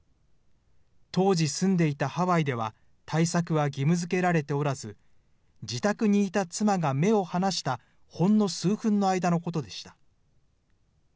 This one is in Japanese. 当時住んでいたハワイでは、対策は義務づけられておらず、自宅にいた妻が目を離した、ほんの数分の間のことでした。